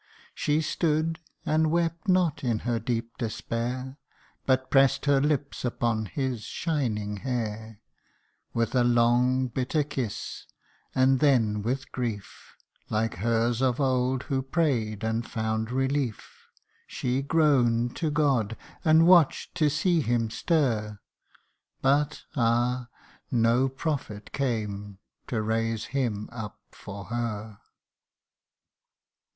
She stood, and wept not in her deep despair, But press 'd her lips upon his shining hair With a long bitter kiss, and then with grief Like hers of old, who pray'd and found relief (') She groan'd to God, and watch 'd to see him stir, But, ah ! no prophet came, to raise him up for her!